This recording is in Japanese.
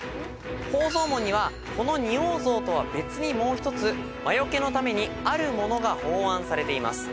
宝蔵門にはこの仁王像とは別にもう一つ魔よけのためにあるものが奉安されています。